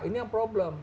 ini yang problem